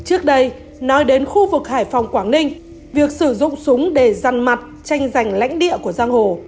trước đây nói đến khu vực hải phòng quảng ninh việc sử dụng súng để răn mặt tranh giành lãnh địa của giang hồ